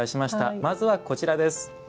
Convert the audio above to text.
まずはこちらです。